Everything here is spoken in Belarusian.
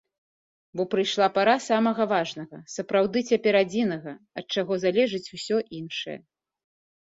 Бо прыйшла пара самага важнага, сапраўды цяпер адзінага, ад чаго залежыць усё іншае.